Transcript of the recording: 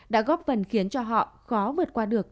để cho họ khó vượt qua được